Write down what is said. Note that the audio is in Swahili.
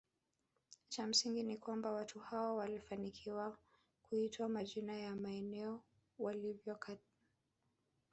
Cha msingi ni kwamba watu hao walifanikiwa kuitwa majina ya maeneo waliyokaa